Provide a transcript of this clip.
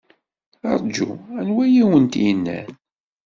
Ṛju, anwa ay awent-yennan?